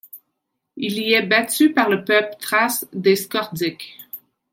Il y est battu par le peuple thrace des Scordiques.